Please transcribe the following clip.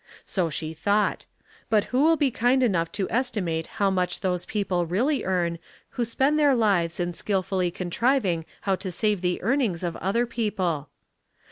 So she thouG^ht. But who will be kind enousjh to estimate how much those people really earn whc spend their lives in skillfully contriving how to save the earnings of other people?